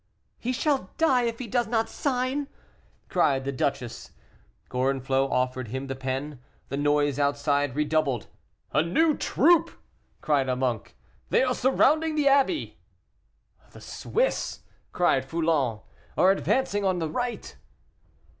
"He shall die if he does not sign!" cried the duchess. Gorenflot offered him the pen. The noise outside redoubled. "A new troop!" cried a monk; "they are surrounding the abbey!" "The Swiss," cried Foulon, "are advancing on the right!"